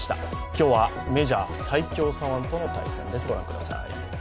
今日はメジャー最強左腕との対戦です。